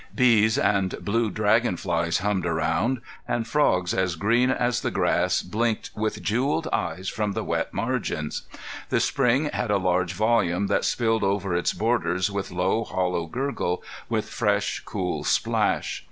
Bees and blue dragon flies hummed around and frogs as green as the grass blinked with jewelled eyes from the wet margins. The spring had a large volume that spilled over its borders with low, hollow gurgle, with fresh, cool splash.